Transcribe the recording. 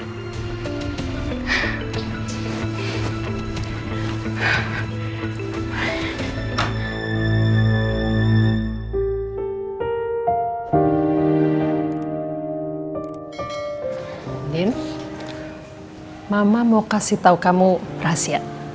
mbak andin mama mau kasih tau kamu rahasia